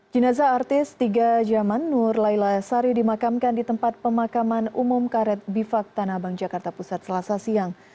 jenazah artis tiga jaman nur laila sari dimakamkan di tempat pemakaman umum karet bifak tanah abang jakarta pusat selasa siang